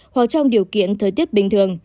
hoặc trong điều kiện thời tiết bình thường